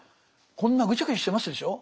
こんなぐちゃぐちゃしてますでしょう